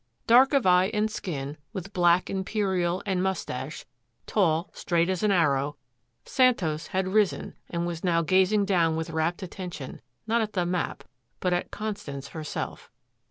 Dark of eye and skin, with black imperial and mustache, tall, straight as an arrow, Santos had risen and was now gazing down with rapt attention, not at the map, but at Constance herself.